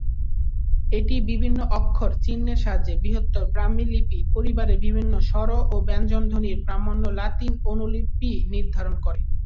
এটি বিভিন্ন অক্ষর-চিহ্নের সাহায্যে বৃহত্তর ব্রাহ্মী লিপি পরিবারের বিভিন্ন স্বর ও ব্যঞ্জন ধ্বনির প্রামাণ্য লাতিন অনুলিপি নির্ধারণ করে।